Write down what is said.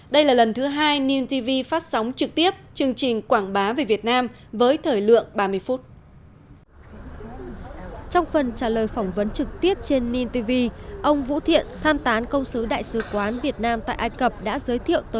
đây là lần thứ hai nintv phát sóng trực tiếp chương trình quảng bá về việt nam với thời lượng ba mươi phút